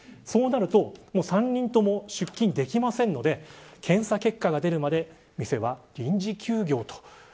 そうなると３人とも出勤ができませんので検査結果が出るまで店は臨時休業と。